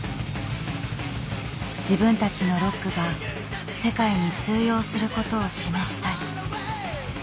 自分たちのロックが世界に通用することを示したい。